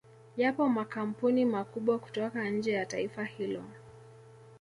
Yapo makampuni makubwa kutoka nje ya taifa hilo